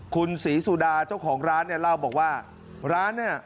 คุณศรีสุดาเจ้าของร้านเนี่ยเล่าบอกว่าร้านเนี่ย